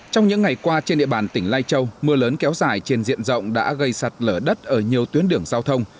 trong những ngày qua trên địa bàn tỉnh lai châu mưa lớn kéo dài trên diện rộng đã gây sạt lở đất ở nhiều tuyến đường giao thông